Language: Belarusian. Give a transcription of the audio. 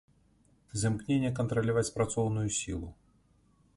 З імкнення кантраляваць працоўную сілу.